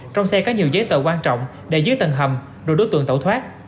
trong xe có nhiều giấy tờ quan trọng để dưới tầng hầm rồi đối tượng tẩu thoát